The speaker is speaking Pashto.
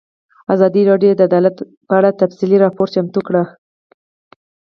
ازادي راډیو د عدالت په اړه تفصیلي راپور چمتو کړی.